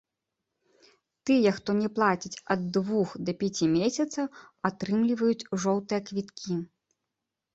Тыя, хто не плаціць ад двух да пяці месяцаў, атрымліваюць жоўтыя квіткі.